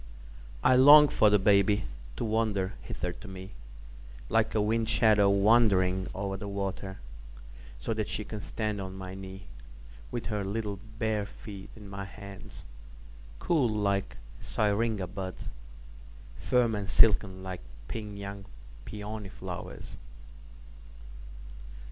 I long for the baby to wander hither to meLike a wind shadow wandering over the water, So that she can stand on my kneeWith her little bare feet in my hands, Cool like syringa buds, Firm and silken like pink young peony flowers.